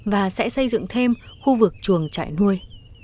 và sẽ xây dựng thêm khu vực chuồng trại nuôi